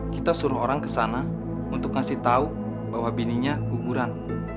kita suruh orang ke sana untuk ngasih tahu bahwa bininya guguran